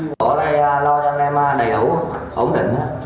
các bộ đây lo cho anh em đầy đủ ổn định